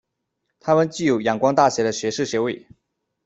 他具有仰光大学的学士学位。